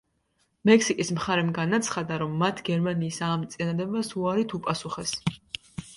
მექსიკის მხარემ განაცხადა, რომ მათ გერმანიის ამ წინადადებას უარით უპასუხეს.